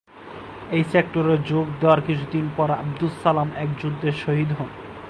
এই সেক্টরে যোগ দেওয়ার কিছুদিন পর আবদুস সালাম এক যুদ্ধে শহীদ হন।